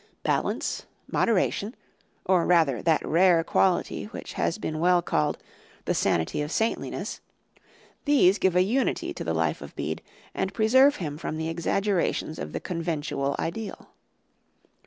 Balance, moderation, or rather, that rare quality which has been well called "the sanity of saintliness,"(2) these give a unity to the life of Bede and preserve him from the exaggerations of the conventual ideal.